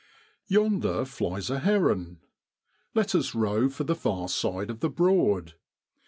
Yonder flies a heron. Let us row for the far side of the Broad.